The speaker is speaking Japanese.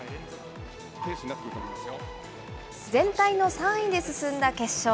全体の３位で進んだ決勝。